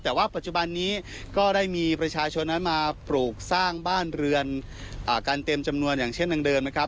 แต่ว่าปัจจุบันนี้ก็ได้มีประชาชนนั้นมาปลูกสร้างบ้านเรือนกันเต็มจำนวนอย่างเช่นดังเดิมนะครับ